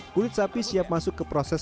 kulit sapi siap masuk ke proses